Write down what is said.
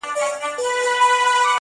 ارغنداو ته شالماره چي رانه سې -